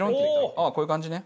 ああこういう感じね。